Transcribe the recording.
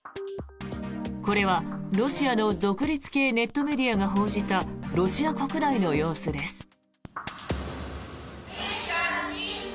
これは、ロシアの独立系ネットメディアが報じたロシア国内の様子です。